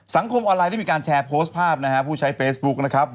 สังคมออนไลน์ได้มีการแชร์โพสต์ภาพนะฮะผู้ใช้เฟซบุ๊คนะครับ